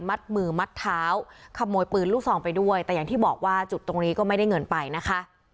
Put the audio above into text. มัดมือมัดเท้าขโมยปืนลูกซองไปด้วยแต่อย่างที่บอกว่าจุดตรงนี้ก็ไม่ได้เงินไปนะคะ